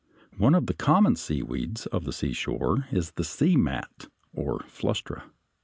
One of the common seaweeds of the seashore is the sea mat or Flustra.